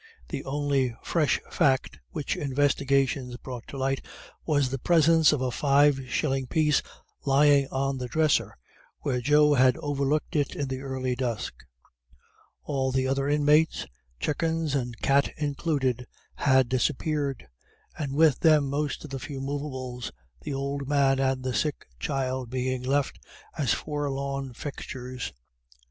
The only fresh fact which investigations brought to light was the presence of a five shilling piece lying on the dresser, where Joe had overlooked it in the early dusk. All the other inmates, chuckens and cat included, had disappeared, and with them most of the few movables, the old man and the sick child being left as forlorn fixtures.